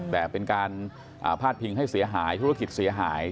แต่เป็นการพาดพิงให้เสียหายธุรกิจเสียหาย